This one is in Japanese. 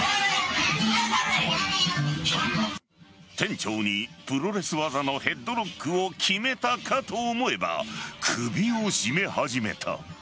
店長にプロレス技のヘッドロックをきめたかと思えば首を絞め始めた。